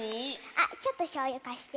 あっちょっとしょうゆかして。